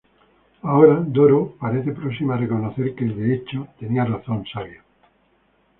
Ahora Doro parece próxima a reconocer que, de hecho, tenía razón Savio.